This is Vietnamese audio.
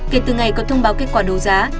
kể từ ngày có thông báo kết quả đấu giá